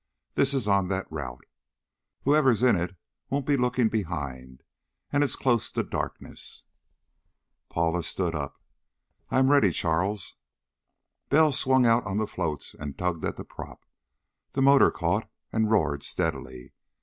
This is on that route. Whoever's in it won't be looking behind, and it's close to darkness." Paula stood up. "I am ready, Charles." Bell swung out on the floats and tugged at the prop. The motor caught and roared steadily.